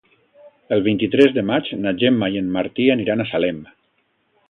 El vint-i-tres de maig na Gemma i en Martí aniran a Salem.